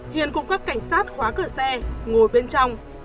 hiền cũng các cảnh sát khóa cửa xe ngồi bên trong